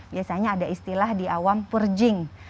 biasanya ada istilah di awam purging